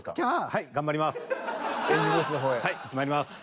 はいまいります。